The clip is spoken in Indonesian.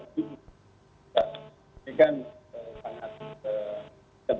dikatirkan naiknya hampir seratus cabai rawit misalnya dari empat puluh delapan jadi delapan puluh tujuh